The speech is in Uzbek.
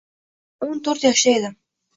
Oʻshanda o'n to'rt yoshda edim.